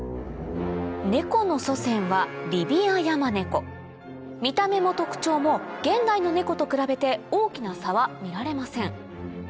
ネコの祖先は見た目も特徴も現代のネコと比べて大きな差は見られません